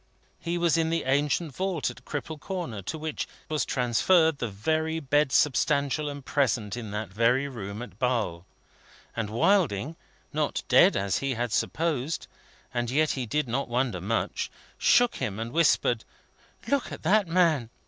He was in the ancient vault at Cripple Corner, to which was transferred the very bed substantial and present in that very room at Basle; and Wilding (not dead, as he had supposed, and yet he did not wonder much) shook him, and whispered, "Look at that man!